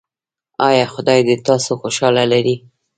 ایا خدای دې تاسو خوشحاله لري؟